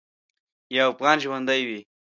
یو افغان ژوندی وي.